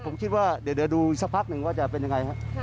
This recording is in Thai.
ผมคิดว่าเดี๋ยวดูอีกสักพักหนึ่งว่าจะเป็นยังไงครับ